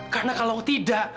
karena kalau tidak